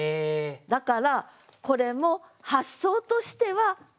だからこれも発想としてはある。